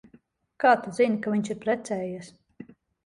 Kā tu zini, ka viņš ir precējies?